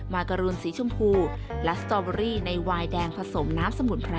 การูนสีชมพูและสตอเบอรี่ในวายแดงผสมน้ำสมุนไพร